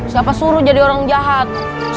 siapa suruh jadi orang jahat